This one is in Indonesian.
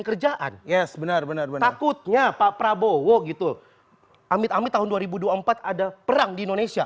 kerjaan yes benar benar takutnya pak prabowo gitu amit amit tahun dua ribu dua puluh empat ada perang di indonesia